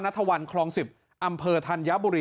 วันคลอง๑๐อำเภอธัญบุรี